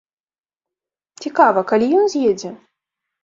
Цікава, калі ён з'едзе?